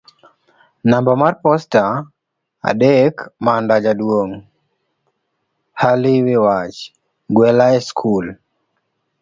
namba mar posta adek Manda jaduong' Ali wi wach; gwela e skul